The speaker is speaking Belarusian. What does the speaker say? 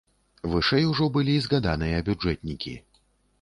Вышэй ужо былі згаданыя бюджэтнікі.